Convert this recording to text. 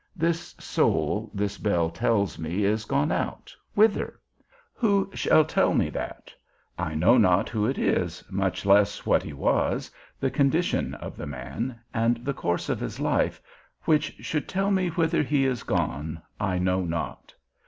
This soul this bell tells me is gone out, whither? Who shall tell me that? I know not who it is, much less what he was, the condition of the man, and the course of his life, which should tell me whither he is gone, I know not.